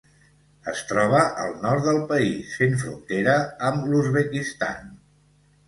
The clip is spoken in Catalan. Es troba al nord del país, fent frontera amb l'Uzbekistan.